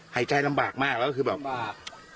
หายใจลำบากมากแล้วก็คือแบบว่า